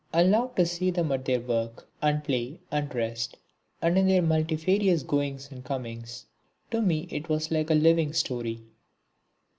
I loved to see them at their work and play and rest, and in their multifarious goings and comings. To me it was all like a living story.